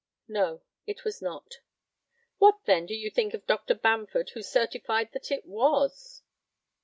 No, it was not. What, then, do you think of Dr. Bamford, who certified that it was?